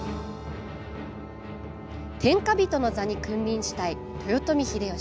天下人の座に君臨したい豊臣秀吉。